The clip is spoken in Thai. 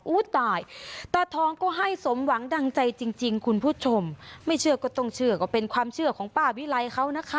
ตายตาทองก็ให้สมหวังดังใจจริงจริงคุณผู้ชมไม่เชื่อก็ต้องเชื่อก็เป็นความเชื่อของป้าวิไลเขานะคะ